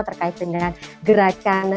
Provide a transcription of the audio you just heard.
terkait dengan gerakan